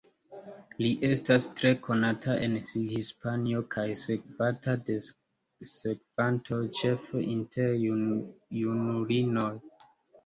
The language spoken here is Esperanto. Li estas tre konata en Hispanio kaj sekvata de sekvantoj ĉefe inter junulinoj.